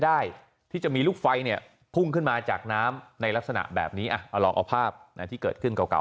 ได้ที่จะมีลูกไฟเนี่ยพุ่งขึ้นมาจากน้ำในลักษณะแบบนี้เอาลองเอาภาพที่เกิดขึ้นเก่า